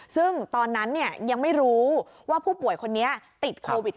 ซึ่งตอนนั้นยังไม่รู้ว่าผู้ป่วยคนนี้ติดโควิด๑๙